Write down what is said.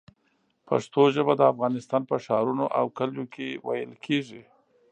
پښتو ژبه د افغانستان په ښارونو او کلیو کې ویل کېږي.